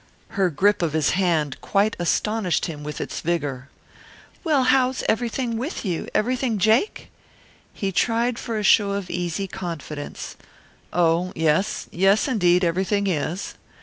Her grip of his hand quite astonished him with its vigour. "Well, how's everything with you? Everything jake?" He tried for a show of easy confidence. "Oh, yes, yes, indeed, everything is."